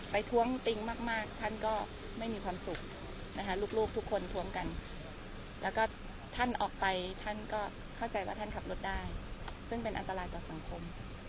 ท้วงติงมากท่านก็ไม่มีความสุขนะคะลูกทุกคนทวงกันแล้วก็ท่านออกไปท่านก็เข้าใจว่าท่านขับรถได้ซึ่งเป็นอันตรายต่อสังคม